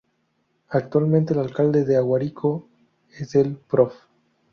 Actualmente el Alcalde de Aguarico es el Prof.